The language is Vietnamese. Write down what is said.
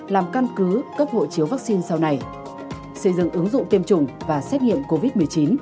làm căn cứ cấp hộ chiếu vaccine sau này xây dựng ứng dụng tiêm chủng và xét nghiệm covid một mươi chín